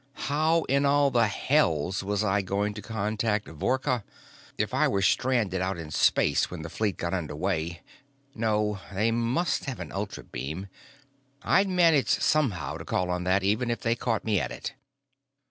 How in all the hells was I going to contact Vorka? If I were stranded out in space when the fleet got under way no, they must have an ultrabeam. I'd manage somehow to call on that even if they caught me at it.